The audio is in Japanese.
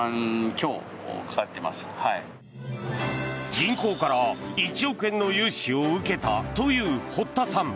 銀行から１億円の融資を受けたという堀田さん。